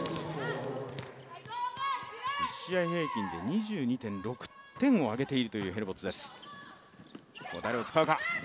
１試合平均で２２．６点を挙げているというヘルボッツです。